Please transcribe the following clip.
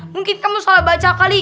mungkin kamu salah baca kali